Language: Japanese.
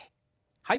はい。